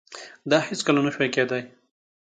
دا هیڅکله نشوای کېدای.